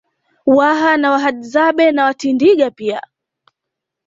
Waha na Wahadzabe na Watindiga pia